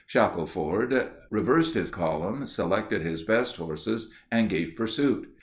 Shackelford reversed his column, selected his best horses, and gave pursuit.